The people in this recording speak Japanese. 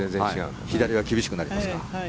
左は厳しくなりますか。